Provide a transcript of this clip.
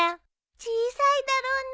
小さいだろうね。